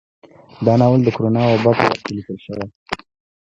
دا ناول د کرونا وبا په وخت کې ليکل شوى